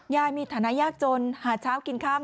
ยายมีฐานะยากจนหาเช้ากินค่ำ